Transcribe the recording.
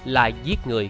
là giết người